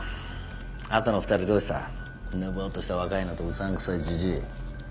あとの２人どうした？ぬぼーっとした若いのとうさんくさいじじい。